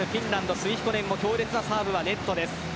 スイヒコネンの強烈なサーブはネットです。